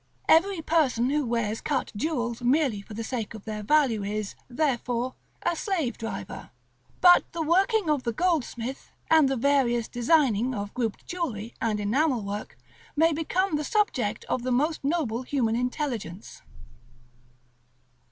Every person who wears cut jewels merely for the sake of their value is, therefore, a slave driver. But the working of the goldsmith, and the various designing of grouped jewellery and enamel work, may become the subject of the most noble human intelligence.